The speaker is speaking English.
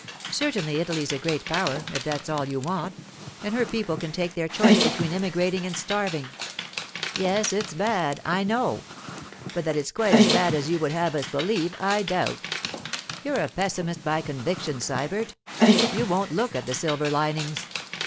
Certainly Italy's a Great Power—if that's all you want—and her people can take their choice between emigrating and starving.' 'Yes, it's bad, I know; but that it's quite as bad as you would have us believe, I doubt. You're a pessimist by conviction, Sybert. You won't look at the silver linings.